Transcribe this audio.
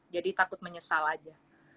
jadi takut menyesal aja